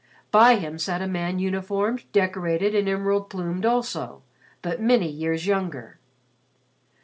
By him sat a man uniformed, decorated, and emerald plumed also, but many years younger.